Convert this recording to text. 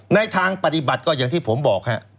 ในทางปฏิบัติก็อย่างที่ผมบอกฮะ